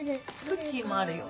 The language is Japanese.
クッキーもあるよ。